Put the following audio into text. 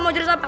mau juri siapa